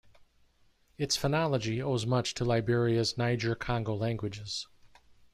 Its phonology owes much to Liberia's Niger-Congo languages.